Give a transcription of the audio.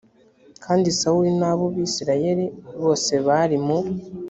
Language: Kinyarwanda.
kandi sawuli na bo n abisirayeli bose bari mu